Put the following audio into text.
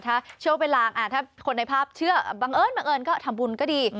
ถ้าเชื่อว่าเป็นลางถ้าคนในภาพเชื่อบังเอิญก็ทำบุญก็ดี